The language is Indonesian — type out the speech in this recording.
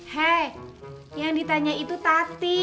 hei yang ditanya itu tati